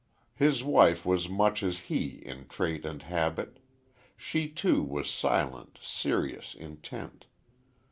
His wife was much as he in trait and habit. She, too, was silent, serious, intent.